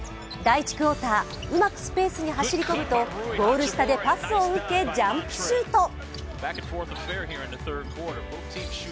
第１クオーター、うまくスペースに走り込むとゴール下でパスを受けジャンプシュート。